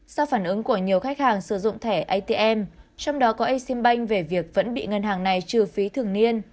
sau phản ứng của nhiều khách hàng sử dụng thẻ atm trong đó có exim bank về việc vẫn bị ngân hàng này trừ phí thường niên